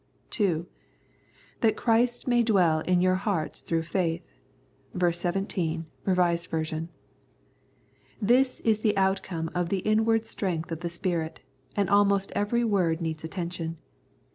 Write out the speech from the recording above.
(2) " That Christ may dwell in your hearts through faith" (ver. 17, R.V.). This is the outcome of the inward strength of the Spirit, and almost every word needs attention.